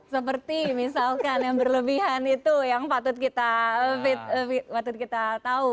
seperti misalkan yang berlebihan itu yang patut kita tahu